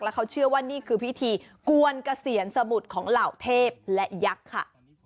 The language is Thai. เขาเชื่อว่านี่คือพิธีกวนเกษียณสมุทรของเหล่าเทพและยักษ์ค่ะ